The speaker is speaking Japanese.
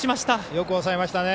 よく抑えましたね。